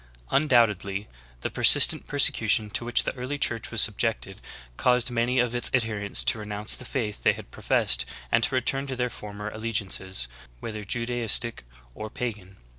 r^ (4^' Undoubtedly the persistent persecution to which the early Church was subjected caused many of its adherents to renounce the faith they had professed and to return to • their former allegiances, whether Judaistic or pagan.